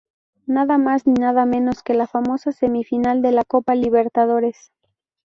Nada más ni nada menos que la famosa Semifinal de la Copa Libertadores.